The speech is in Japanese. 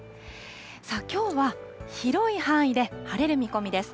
さあ、きょうは広い範囲で晴れる見込みです。